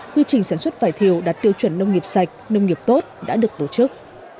quy trình sản xuất vải thiều đạt tiêu chuẩn nông nghiệp sạch nông nghiệp tốt đã được tổ chức